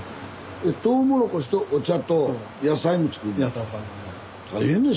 トウモロコシとお茶と野菜も作るんですか？